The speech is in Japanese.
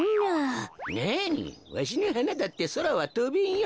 なにわしのはなだってそらはとべんよ。